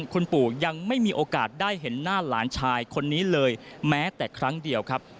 คุณปู่ยังไม่มีโอกาสได้เห็นหน้าหลานชายคนนี้เลยแม้แต่ครั้งเดียวครับ